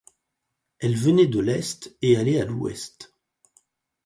Elle venait de l’est et allait à l’ouest.